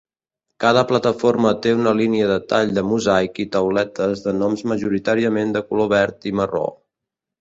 Cada plataforma té una línia de tall de mosaic i tauletes de noms majoritàriament de color verd i marró.